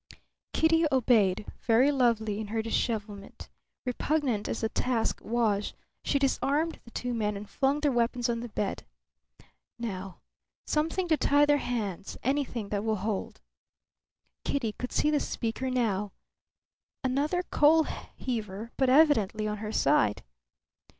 Kitty obeyed, very lovely in her dishevelment. Repugnant as the task was she disarmed the two men and flung their weapons on the bed. "Now something to tie their hands; anything that will hold." Kitty could see the speaker now. Another coal heaver, but evidently on her side.